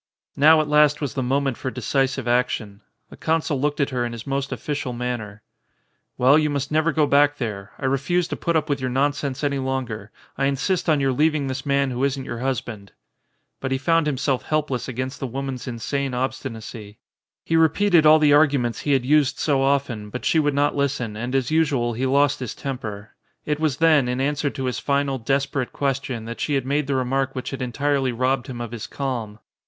Now at last was the moment for decisive action. The consul looked at her in his most official man ner. "Well, you must never go back there. I refuse to put up with your nonsense any longer. I in sist on your leaving this man who isn't your hus band." But he found himself helpless against the wo man's insane obstinacy. He repeated all the argu ments he had used so often, but she would not 120 THE CONSUL listen, and as usual he lost his temper. It was then, in answer to his final, desperate question, that she had made the remark which had entirely robbed him of his calm.